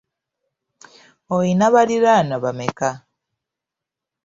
Oyina baliraanwa bameka?